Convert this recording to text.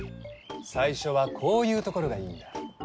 最初はこういう所がいいんだ。